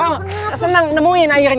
oh senang nemuin akhirnya